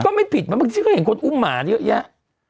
ไม่ผิดมันบางทีก็เห็นคนอุ้มหมาเยอะแยะ